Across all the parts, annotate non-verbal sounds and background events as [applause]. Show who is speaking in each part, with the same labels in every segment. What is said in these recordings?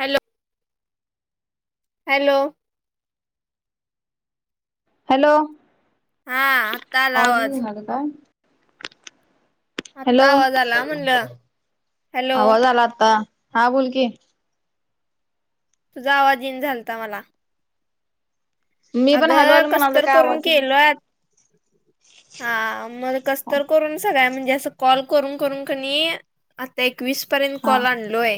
Speaker 1: Hello hello
Speaker 2: hello
Speaker 1: हा आत्ता आला
Speaker 2: आवाज येऊन [unintelligible] काय हॅलो
Speaker 1: आत्ता आवाज आला म्हणलं हॅलो
Speaker 2: आवाज आला आता हा बोल की
Speaker 1: तुझा आवाज येईन झालता मला
Speaker 2: मी पण हॅलो
Speaker 1: अगं
Speaker 2: हॅलो म्हणालोय
Speaker 1: कसतर
Speaker 2: काय
Speaker 1: करून
Speaker 2: आवाज येईना
Speaker 1: केल्यात हा मग कस तर करून सगळ्या म्हणजे असं कॉल करून करून कणी आता एकवीस पर्यंत
Speaker 2: हा
Speaker 1: कॉल आणलोय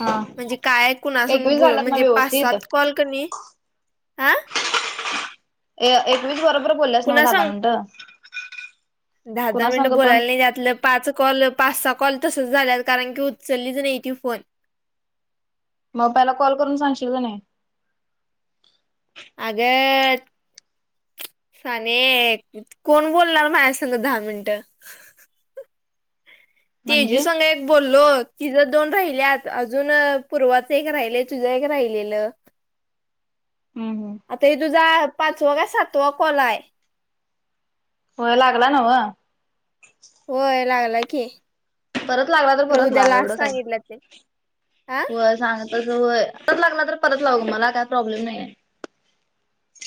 Speaker 2: हा
Speaker 1: म्हणजे काय कुणासंग
Speaker 2: एकवीस
Speaker 1: बो
Speaker 2: झाल्यात ना
Speaker 1: म्हणजे पाच
Speaker 2: व्यवस्थित
Speaker 1: सात कॉल कणी हा
Speaker 2: ए एकवीस बरोबर बोलल्यास
Speaker 1: कुणा
Speaker 2: नव्ह दहा
Speaker 1: सांग
Speaker 2: दहा मिनिटं
Speaker 1: दहा दहा
Speaker 2: कुणा
Speaker 1: मिनटं
Speaker 2: संग पण
Speaker 1: बोलायला नाही त्यातलं पाच कॉल पाच सहा कॉल तसंच झाल्यात कारण की उचललीच नाही ती फोन
Speaker 2: मग पयला कॉल करून सांगशील की नय
Speaker 1: आग त साने कोण बोलणार माझ्या संग दहा मिनिटं तेजू
Speaker 2: म्हणजे
Speaker 1: संग
Speaker 2: हम्म
Speaker 1: एक बोललो तिज दोन राहिल्यात अजून पूर्वाच एक राहिलय तुझं एक राहिलेलं
Speaker 2: हम् हम्
Speaker 1: आता हे तुझा पाचवा काय सातवा कॉल हाय
Speaker 2: व्हय लागला नव्ह
Speaker 1: होय लागला की
Speaker 2: परत लागला तर
Speaker 1: खरं
Speaker 2: परत
Speaker 1: उद्या
Speaker 2: लाव एवढ
Speaker 1: लास्ट
Speaker 2: काय
Speaker 1: सांगितलं ते हा
Speaker 2: व्हय सांग तस व्हय परत लागला तर परत लाव ग मला काय प्रॉब्लेम नाहीय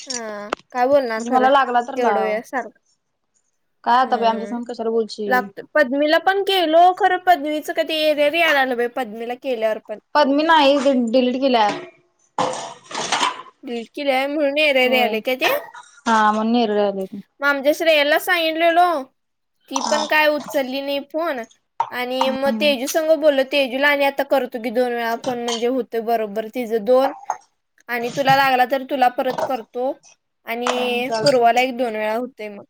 Speaker 1: हा काय बोलणार
Speaker 2: म्हणजे
Speaker 1: खरं
Speaker 2: मला लागला तर
Speaker 1: एवढं
Speaker 2: लाव
Speaker 1: वेळ सारख
Speaker 2: काय आता बाई आमच्या संग कश्याला बोलशील
Speaker 1: लागत पद्मीला पण केलो खरं पद्मीचं कधी इरर यायला लागलं बाई पद्मीला केल्यावर पण
Speaker 2: पद्मी नाही डिलीट केल्याय अँप
Speaker 1: डीलीड केलीय व्हय म्हणून इरर
Speaker 2: होय.
Speaker 1: यालय काय ते
Speaker 2: हा म्हणून इरर यालय
Speaker 1: म आमच्या श्रेयाला सांगितलेलो ती
Speaker 2: हा
Speaker 1: पण काय उचलली नाही फोन आणि मग
Speaker 2: हम्म.
Speaker 1: तेजस संग बोलो तेजूला आणि आता करतो की दोन वेळा फोन म्हणजे होतय बरोबर तिझं दोन आणि तुला लागला तर तुला परत करतो
Speaker 2: हम्म
Speaker 1: आणि
Speaker 2: चालतंय
Speaker 1: पूर्वाला
Speaker 2: की.
Speaker 1: एक दोन वेळा होतय मग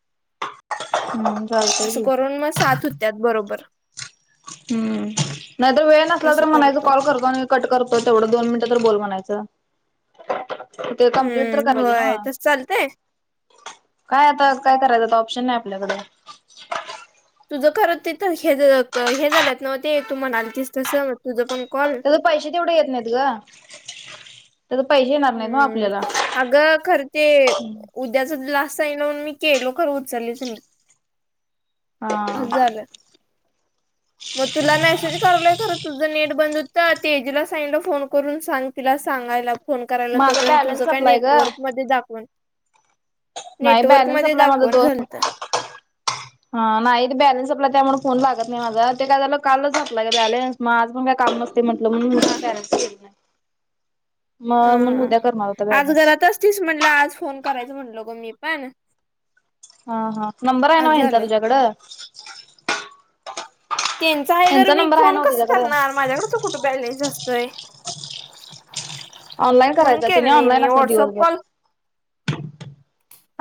Speaker 2: हम्म जाय
Speaker 1: असं करून मग सात होत्यात बरोबर
Speaker 2: हम्म नाहीतर वेळ नसला
Speaker 1: तसं
Speaker 2: तर म्हणायच
Speaker 1: करतो
Speaker 2: कॉल करतो कट करतो तेवढं दोन मिनिटं तर बोल म्हणायचं ते कम्प्लीट तर
Speaker 1: हम्म
Speaker 2: करायचेे ना
Speaker 1: होय तस चालतंय
Speaker 2: काय आता आज काय करायचं आता ऑप्शन नाही आपल्याकडे
Speaker 1: तुझं खरं ते हे हे झालंत नव्ह ते तू म्हणालतीस तसं म तुझं पण कॉल
Speaker 2: तर पैसे तेवढे येत नाहीत ग त्याचे पैसे येणार नाहीत ना
Speaker 1: हम्म
Speaker 2: आपल्याला
Speaker 1: अगं खर ते उद्याच लास्ट टई लावून मी केलो खर उचललीच मी
Speaker 2: हा
Speaker 1: ह [inaudible] मग तुला मेसेज करलोय खरं तुझं नेट बंद होतं तेजूला सांगितलं फोन करून सांग तिला सांगायला फोन करायला
Speaker 2: माझा
Speaker 1: तोपर्यंत तुझं
Speaker 2: बॅलन्स
Speaker 1: काय
Speaker 2: सपलाय ग.
Speaker 1: नेटवर्कमध्ये दाखव
Speaker 2: नाही बॅलन्स
Speaker 1: नेटवर्कमध्ये दाखवून झालत
Speaker 2: ह नाही ते बॅलन्स आपला त्यामुळे फोन लागत नाही माझा ते काय झालं कालच झाला का बॅलन्स मग आज पण काय काम नत ते म्हटलं म [inaudible]
Speaker 1: हा
Speaker 2: नाही मग मण
Speaker 1: हा
Speaker 2: उद्या करणार होता
Speaker 1: आज
Speaker 2: बॅलन्स
Speaker 1: घरात म्हटलं आज फोन करायचं म्हटलो ग मी पण
Speaker 2: हा हा नंबर आहे ना
Speaker 1: आज
Speaker 2: तिचा
Speaker 1: झालं
Speaker 2: तुझ्याकडं
Speaker 1: त्यांचा आहे घर
Speaker 2: ह्यांचा
Speaker 1: मी
Speaker 2: नंबर आहे
Speaker 1: फोन
Speaker 2: ना
Speaker 1: कस
Speaker 2: तुझ्याकडं
Speaker 1: करणार माझ्याकडच कुठे बॅलेन्स असतय
Speaker 2: ऑनलाईन
Speaker 1: म्हणून
Speaker 2: करायचा त्याने
Speaker 1: केलं नाही
Speaker 2: ऑनलाईन
Speaker 1: मी
Speaker 2: असतात
Speaker 1: व्हॉटसअप
Speaker 2: दिवसभर
Speaker 1: कॉल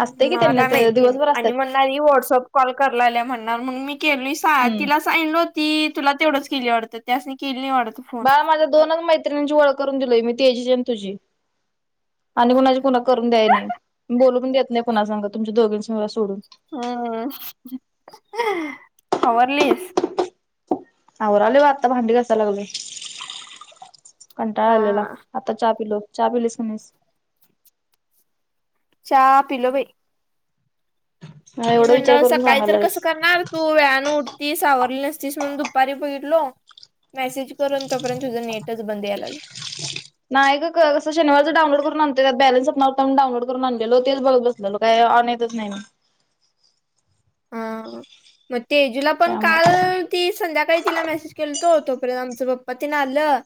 Speaker 2: असते की
Speaker 1: मला
Speaker 2: त्यांना
Speaker 1: काय
Speaker 2: ते
Speaker 1: माहिती
Speaker 2: दिवसभर
Speaker 1: आणि
Speaker 2: असतात
Speaker 1: म वटसअप कॉल कराय लागलेया म्हणून मी केली नाही
Speaker 2: हम्म
Speaker 1: सांगल होती तुला तेवढंच केली वाटतं त्यासनी केली नाही वाटत
Speaker 2: बाळा माझ्या दोनच मैत्रिणींची ओळ करून दिलोय मी तेजी आणि तुझी आणि कुणाची कुणा करून द्याय नाही बोलूनण देत नाही पुन्हा सांगा तुमच्या दोघीं मला सोडून
Speaker 1: हम्म आवरलीस
Speaker 2: आवराले व आता भांडी घासाय लागली कंटाळा
Speaker 1: हा
Speaker 2: आलेला आता चहा पिलो चा पलीस की नाहीस
Speaker 1: चहा पिलो बाई
Speaker 2: मला
Speaker 1: मी
Speaker 2: एवढा विचार
Speaker 1: म्हणलं
Speaker 2: करून
Speaker 1: सकाळी तर कसं
Speaker 2: सांगायलास
Speaker 1: करणार तू वेळान उठतीस आवरली नसतीस म्हणून दुपारी बघितलो मेसेज करून तोपर्यंत तुझं नेटच बंद यायला ला
Speaker 2: [inaudible] नाही का कस शनिवारच डाउनलोड करून आणतय त्या बॅलन्सच नव्हता डाउनलोड करून आणलेलो ते बघत बस झालो काही ऑन येतच नाही मी
Speaker 1: हा मग तेजूला पण काल
Speaker 2: त्यामुळे
Speaker 1: ती संध्याकाळी तिला मेसेज केल हो तो तोपर्यंत आमचं पप्पा तिने आलं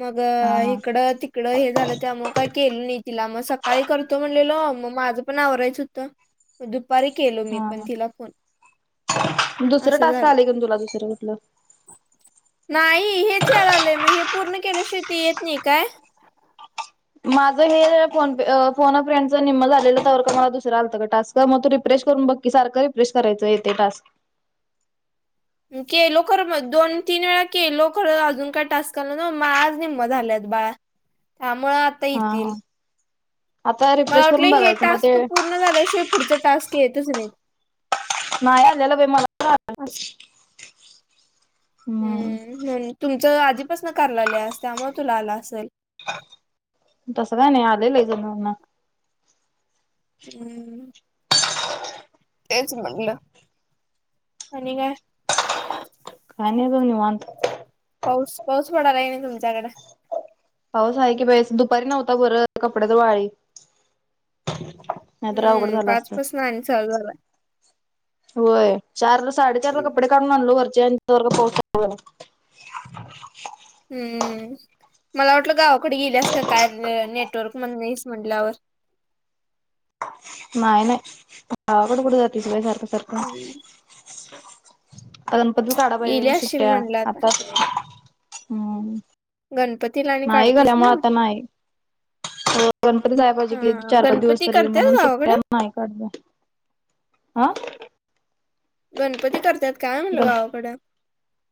Speaker 1: मग
Speaker 2: हा हा
Speaker 1: इकडं तिकडं हे झालं त्या मग काय केलं नाही तिला मग सकाळी करतो म्हणलेल मग माझं पण आवराायचं होतं दुपारी केलो मी
Speaker 2: हा
Speaker 1: पण तिला फोन
Speaker 2: दुसरं
Speaker 1: असं
Speaker 2: टास्क
Speaker 1: झालं.
Speaker 2: आले का तुला दुसरं कुठलं
Speaker 1: नाही हेच या लागलय मग हे, पूर्ण केल्या शिवाय ते येत नाही काय?
Speaker 2: माझं हे फोन पे, फोन अ फ्रेंडच निम्म झालेलं, तवर का मला दुसरं आलतं गं टास्क. बग मग तू रिफ्रेश करून बकी, सारखं रिफ्रेश करायं येते टास्क.
Speaker 1: केलो खरं मग दोन तीन वेळा केलो. खरं अजून काय टास्क आल ना मग, आज निम्म झाल्यात बाळ. हां, मग आता
Speaker 2: हा हा
Speaker 1: येतील.
Speaker 2: आता
Speaker 1: मला
Speaker 2: रिफ्रेश
Speaker 1: वाटलं
Speaker 2: करून
Speaker 1: ही
Speaker 2: बघायचं मग ते
Speaker 1: टास्क पूर्ण झालं शिवाय, पुढच टास्क येतच नाही.
Speaker 2: नाही आलेल बाई, मला तर आलेल.
Speaker 1: असं. हम हम. तुमचं आधीपासन‌ करालागलेस, त्यामुळे तुला आल असेल.
Speaker 2: तसं काय नाही, आलय लै जनांना.
Speaker 1: हम्म. तेच म्हणलं, आणि काय
Speaker 2: काय नाही बग निवांत.
Speaker 1: पाऊस, पाऊस पडालाय काय नाही तुमच्याकड.
Speaker 2: पाऊस आहे की बाई, दुपारी नव्हता बरं कपडे तर वाळी. नाहीतर अवघड
Speaker 1: हम्म,
Speaker 2: झालं
Speaker 1: पाच पसन आणि चालू झालायं.
Speaker 2: व्हयं, चार साडेचारला कपडे.
Speaker 1: हम्म
Speaker 2: काडून आणलो वरची, आणि तवर पाऊस चालू झाला.
Speaker 1: हम्म. मला वाटलं गावाकड गेल्यास का काय, नेटवर्क मध्ये नाहीस म्हटल्यावर.
Speaker 2: नाही नाही गावाकडं, कुठं बाई जातीस सारख सारख.
Speaker 1: हम्म
Speaker 2: आता गणपतीत काढाय
Speaker 1: गेली
Speaker 2: पाहिजे.
Speaker 1: असशील
Speaker 2: सुट्ट्या
Speaker 1: म्हणलं
Speaker 2: आता [unintelligible] हम्म
Speaker 1: गणपत
Speaker 2: नाही गल्यामुळे, आता नाही. गणपतीत जायला पाहिजे की,
Speaker 1: हा
Speaker 2: चार पाच दिवस
Speaker 1: गणपती
Speaker 2: तरी
Speaker 1: करत्यात
Speaker 2: म्हणून सुट्या
Speaker 1: गावाकडं
Speaker 2: नाही काढल्या. आं.
Speaker 1: गणपती करत्यात काय, म्हणलं
Speaker 2: गण
Speaker 1: गावाकड.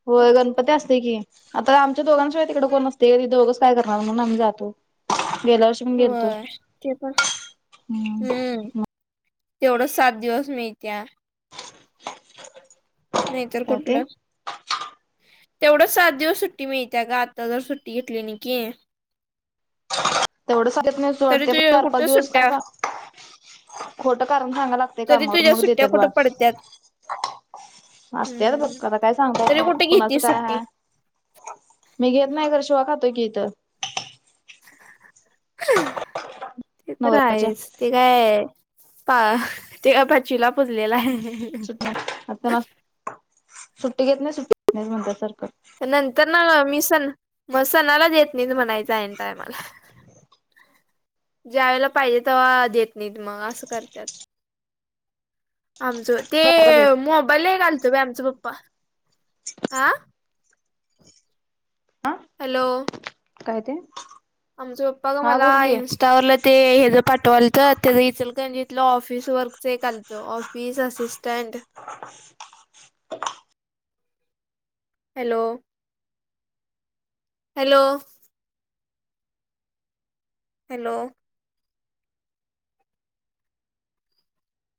Speaker 2: होय. गणपती असतोय की, आता आमच्या दोघांनशिवाय तिकडे कोण नसतेय गं, दोघंच काय करणार म्हणून आम्ही जातोय गेल्या वर्षी. [unintelligible]
Speaker 1: होय ते पण
Speaker 2: हम्म.
Speaker 1: तेवढंच सात दिवस मी इथे आहे. नाही तर
Speaker 2: काय ते
Speaker 1: कुठलं. तेवढं सात दिवस सुट्टी मिळत्या गं, आता जर सुट्टी घेतली नाही की,
Speaker 2: तेवढ [unintelligible] ते पण
Speaker 1: तरी तुझ्या
Speaker 2: चार पाच
Speaker 1: कुठं
Speaker 2: दिवस काय
Speaker 1: सुट्ट्या
Speaker 2: सांग खोट कारण सांगाय लागते,
Speaker 1: तरी
Speaker 2: कामावर
Speaker 1: तुझ्या
Speaker 2: मग
Speaker 1: सुट्ट्या
Speaker 2: देत्यात बाळ.
Speaker 1: कुठं पडत्यात
Speaker 2: असत्यात
Speaker 1: हम्म
Speaker 2: बग आता काय सांगता येत
Speaker 1: तरी
Speaker 2: नाही,
Speaker 1: कुठे घेती
Speaker 2: कुणाचं काय
Speaker 1: सुट्टी
Speaker 2: हाय. मी घेत नाही खर, शिवा खातोय की इथं.
Speaker 1: ते तर
Speaker 2: नवऱ्याच्या
Speaker 1: आहेच, ते काय पा.. ते काय पाचविला पूजलेल हाय.
Speaker 2: सुट्ट्या आता नुस्तं सुट्टी घेतली, सुट्टी घेतली म्हणत्यात सारखं.
Speaker 1: नंतर न मी सण, म सणाला देत नाही म्हणायचं आयण टायमाला. ज्यावेळेला पाहिजे तव्हा देत नाहीत, मग असं करत्यात. आमचं ते, मोबाईल [unintelligible] पप्पा आं.
Speaker 2: आं.
Speaker 1: हॅलो.
Speaker 2: काय ते,
Speaker 1: आमच पप्पा गं
Speaker 2: हा
Speaker 1: मला,
Speaker 2: बोल की.
Speaker 1: इन्स्टा त्यावरल ते हेज पाठवालतं ते, इचलकरंजीतल ऑफिस वर्कच एक आलतो. Office assistant.
Speaker 2: [inaudible]
Speaker 1: Hello. Hello. Hello.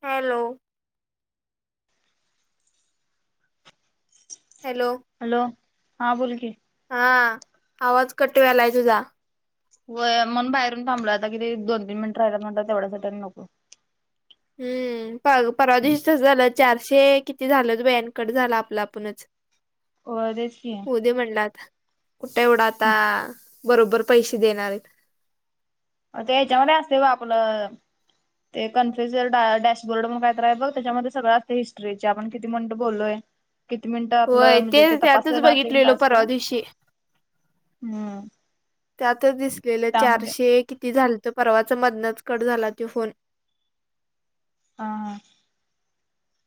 Speaker 1: Hello. Hello.
Speaker 2: Hello हा बोल की.
Speaker 1: हा आवाज कट वलाय तुझा.
Speaker 2: होय म्हणून बाहेरून थांबलं आता किती दोन तीन मिनट राहियला म्हणलं तेढ्यासाठी आणि नको.
Speaker 1: हम्म प परवा दिवशी तसंच झालं चारशे किती झाल्यात बाई कट झाला आपला आपणच.
Speaker 2: होय तेच की.
Speaker 1: होऊ दे म्हणला आता कुठे एवढा आता अ बरोबर पैसे देणार आहेत.
Speaker 2: ते याच्यामध्ये असते ब आपलं. ते कन्फ्युज ड डॅशबोर्ड मग कायत रा बघ त्याच्यामध्ये सगळं असते हिस्ट्रीचे आपण. किती मिनिटं बोललोय किती मिनिटं आपलं
Speaker 1: होय
Speaker 2: म्हणजे ते
Speaker 1: तेच त्यातच
Speaker 2: तपासलेला असतेय
Speaker 1: बघितलेलो
Speaker 2: टास्क.
Speaker 1: परवा दिवशी
Speaker 2: हम्म.
Speaker 1: त्यात दिसलेलं
Speaker 2: त्यामध्ये
Speaker 1: चारशे किती झालं तर परवाच मधनत कड झाला तो फोन.
Speaker 2: हा.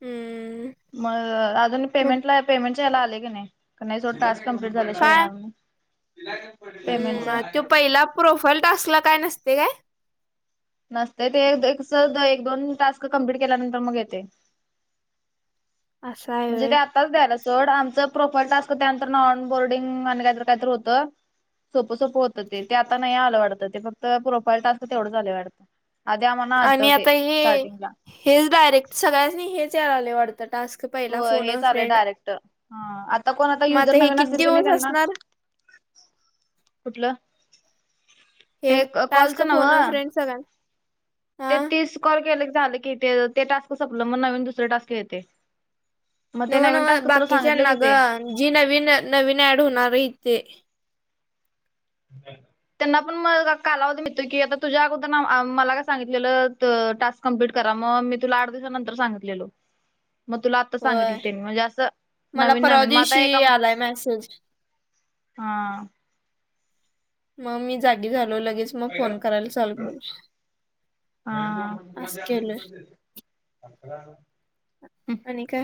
Speaker 1: ह
Speaker 2: मग अजून पेमेंटला पेमेंटच्या यायला आले की नाही का नाही सोड टास्क. कंप्लीट झाल्याशिवाय
Speaker 1: काय
Speaker 2: येणार पेमेंट च.
Speaker 1: हम्म तो पहिला प्रोफाईल टास्क ला काय नसते काय.
Speaker 2: नसत ते एक दोन टास्क कम्प्लीट केल्यानंतर मग येते.
Speaker 1: असं हाय वय.
Speaker 2: च द्यायला सोड आमचं प्रोफाईल टास्क त्यानंतर नॉन बोर्डिंग आणि काहीत काहीत होतं. सोपं सोपं होतं ते आता नाही आलं वाटतं ते फक्त प्रोफाईल टास्क तेवढंच आले वाटतं. आधी आम्हाला आलतं
Speaker 1: आणि
Speaker 2: ते
Speaker 1: आता हे
Speaker 2: स्टार्टिंग ला.
Speaker 1: हेच डायरेक्ट सगळ्याच नाही हेच याय आले वाटत.
Speaker 2: हो हेच चालेय डायरेक्टर ह आता कोण आता
Speaker 1: मग
Speaker 2: युजर
Speaker 1: हे
Speaker 2: नवीन
Speaker 1: किती
Speaker 2: असतील क नाही
Speaker 1: दिवस
Speaker 2: त्यांना.
Speaker 1: असणार
Speaker 2: कुठलं हे कॉ कॉलचं नवं.
Speaker 1: सलान.
Speaker 2: ते तीस कॉल केले झालं की ते ते टास्क संपलं मग नवीन दुसर टास्क घेतेय.
Speaker 1: नव नव बाकीच्याना
Speaker 2: की
Speaker 1: ग
Speaker 2: ते
Speaker 1: जी नवीन नवीन ऍड होणार इथे.
Speaker 2: हम्. त्यांना पण म कालावधी मिळतोय की आता तुझ्या अगोदर आ मला काय सांगितलेलं त टास्क. कम्प्लट करा मग मी तुला आठ दिवसा नंतर सांगलेलो मग तुला. आत्ता सांगितली
Speaker 1: होय
Speaker 2: तेन म्हणजे असं
Speaker 1: मला
Speaker 2: नवीन
Speaker 1: परवा
Speaker 2: नवीन मग आता
Speaker 1: दिवशी
Speaker 2: एका.
Speaker 1: आलाय मेसेज
Speaker 2: हा.
Speaker 1: मग मी जागी झालो लगेच. मग फोन करायला चालू केलंय
Speaker 2: हा
Speaker 1: अस केलय. आणि काय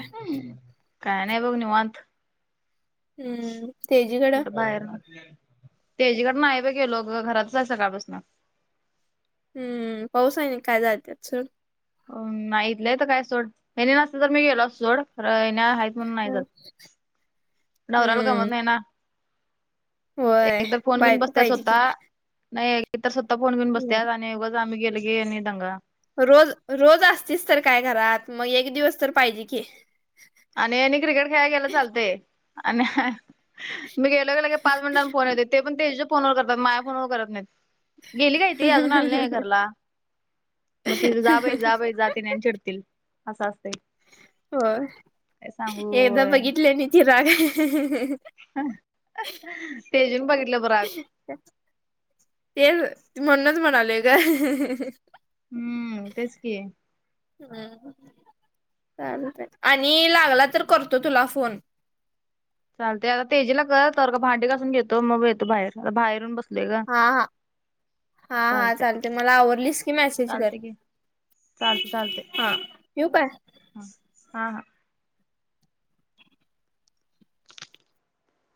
Speaker 2: काय नाही बघ निवत.
Speaker 1: हम्म तेजीकडं
Speaker 2: कुठे बाहेर तेजीकड नाही बाई गेलो घ घरात आहे सकाळपसून.
Speaker 1: हम्म पाऊस आहे ना काय जात्यात सोड.
Speaker 2: अ नाहीथलं तर काय सोड यांनी नसते तर मी गेलो असतो सोड येणे आहेत म्हणून नाही जात. नवराला
Speaker 1: हम्म
Speaker 2: गमत नाही ना एक
Speaker 1: होय
Speaker 2: एक तर फोन घेऊन
Speaker 1: बायको
Speaker 2: बसताच
Speaker 1: पाहिजे की
Speaker 2: स्वतः नाही तर स्वतः फोन घेऊन बसत्या आणि उगाच आम्ही गेल गे आणि दंगा.
Speaker 1: रोज रोज असतीस तर काय घरात मग एक दिवस तर पाहिजे की.
Speaker 2: आणि यांनी क्रिकेट खेळायला गेला चालते आणि. मी गेलो का लेगे पाच मिनटां फोन येत ते पण तेजूच्या त्याच्या फोनवर करतात मा्या फोनवर करत नाहीत. गेली काय ती अजून आलं घरला. मग तिज जाबई जाबई जा त्यांनी आणि चिडतील असं असतंय.
Speaker 1: हो
Speaker 2: काय सांगू
Speaker 1: एकदा
Speaker 2: होय
Speaker 1: बघितले आणि ति राग.
Speaker 2: तेजून बघितलं बग राग.
Speaker 1: तेच म्हणूनच म्हणालेय ग
Speaker 2: हम्म तेच की
Speaker 1: ह चालतय आणि लागला तर करतो तुला फोन
Speaker 2: चालते आता तेजीला कर तर का भांडी घासून घेतो मग येतो बाहेर आता बाहेरून बस
Speaker 1: हा हा हा हा
Speaker 2: चालतंय
Speaker 1: चालते मला आवरलीस की मेसेज कर
Speaker 2: चालतंय की चालतंय चालतंय
Speaker 1: हा ठेऊ काय?
Speaker 2: हा हा